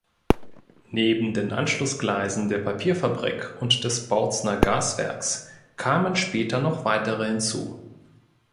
Neben den Anschlussgleisen der Papierfabrik und des Bautzner Gaswerks kamen später noch weitere hinzu.